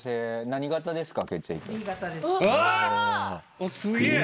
何型ですか？